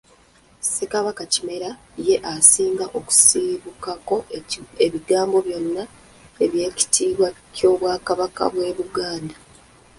Ssekabaka Kimera ye asinga okusibukako ebigambo byonna eby'ekitiibwa ky'Obwakabaka bw'e Buganda.